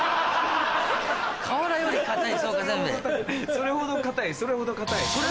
それほどかたいそれほどかたい。